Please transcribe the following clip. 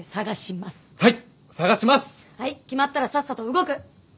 決まったらさっさと動く！